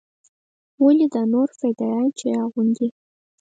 ولې دا نور فدايان چې يې اغوندي.